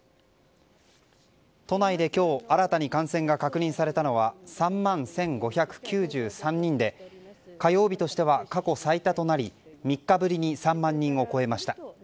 都内で今日新たに感染が確認されたのは３万１５９３人で火曜日としては過去最多となり３日ぶりに３万人を超えました。